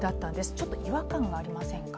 ちょっと違和感がありませんか？